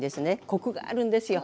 コクがあるんですよ